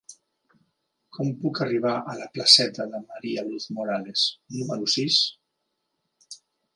Com puc arribar a la placeta de María Luz Morales número sis?